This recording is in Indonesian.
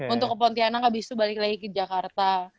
untuk ke pontianak habis itu balik lagi ke jakarta